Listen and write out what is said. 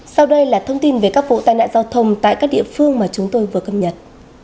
sau đây là thông tin về các vụ tai nạn giao thông tại các địa phương mà chúng tôi vừa cập nhật